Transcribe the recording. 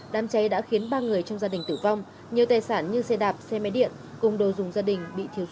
đám cháy đã khiến ba người trong gia đình tử vong nhiều tài sản như xe đạp xe máy điện cùng đồ dùng gia đình bị thiếu nước